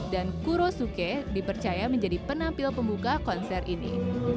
dan kuro suke dipercaya menjadi penampil pembuka konser ini